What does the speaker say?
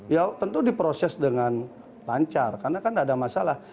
ya tentu diproses dengan lancar karena kan tidak ada masalah